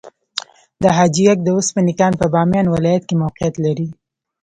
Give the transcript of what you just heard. د حاجي ګک د وسپنې کان په بامیان ولایت کې موقعیت لري.